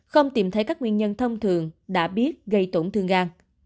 không tìm thấy các nguyên nhân thông thường đã biết gây tổn thương gan